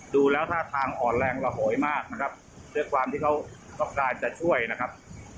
ดูแล้วท่าทางอ่อนแรงระโหยมากนะครับด้วยความที่เขาต้องการจะช่วยนะครับ